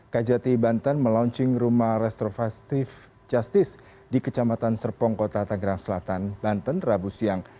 kajati banten melaunching rumah reservatif justice di kecamatan serpong kota tanggerang selatan banten rabu siang